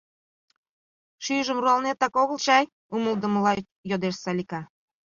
— Шӱйжым руалнетак огыл чай? — умылыдымыла йодеш Салика.